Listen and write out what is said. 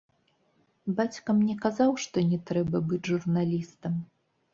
Бацька мне казаў, што не трэба быць журналістам.